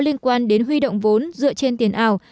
liên quan đến huy động vốn dựa trên tiền ảo